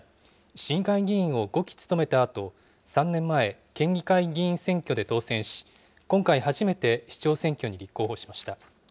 市議会議員を５期務めたあと、３年前、県議会議員選挙で当選し、今回初めて市長選挙に立候補しました。